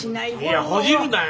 いやほじるなよ。